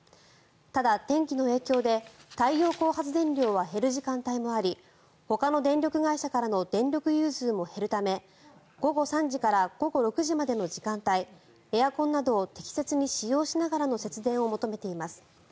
ただ、天気の影響で太陽光発電量は減る時間帯もありほかの電力会社からの電力融通も減るため午後３時から午後６時までの時間帯エアコンなどを適切に使用しながらの節電を求めています。